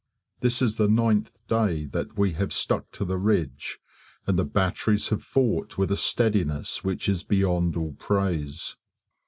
This is the ninth day that we have stuck to the ridge, and the batteries have fought with a steadiness which is beyond all praise.